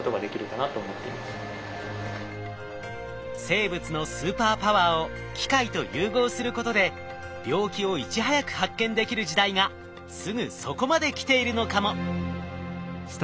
生物のスーパーパワーを機械と融合することで病気をいち早く発見できる時代がすぐそこまで来ているのかも！